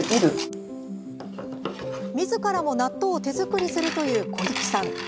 みずからも納豆を手作りするという小雪さん。